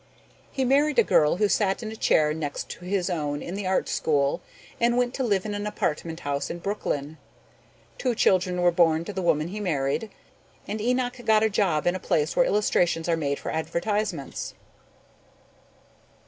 He married a girl who sat in a chair next to his own in the art school and went to live in an apartment house in Brooklyn. Two children were born to the woman he married, and Enoch got a job in a place where illustrations are made for advertisements.